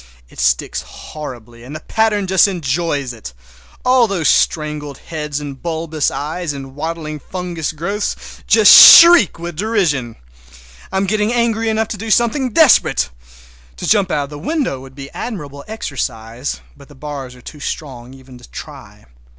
It sticks horribly and the pattern just enjoys it! All those strangled heads and bulbous eyes and waddling fungus growths just shriek with derision! I am getting angry enough to do something desperate. To jump out of the window would be admirable exercise, but the bars are too strong even to try.